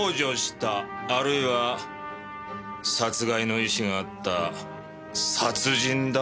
あるいは殺害の意思があった殺人だ。